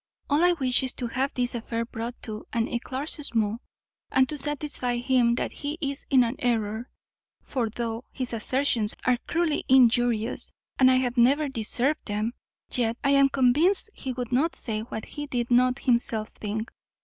All I wish is to have this affair brought to an eclaircissement, and to satisfy him that he is in an error; for, though his assertions are cruelly injurious, and I have never deserved them, yet I am convinced he would not say what he did not himself think.